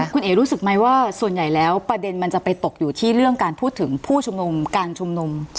คุณเอ๋รู้สึกไหมว่าส่วนใหญ่แล้วประเด็นมันจะไปตกอยู่ที่เรื่องการพูดถึงผู้ชุมนุมการชุมนุม